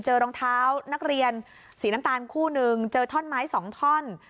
รองเท้านักเรียนสีน้ำตาลคู่หนึ่งเจอท่อนไม้สองท่อน